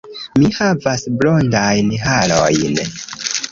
Mi havas blondajn harojn.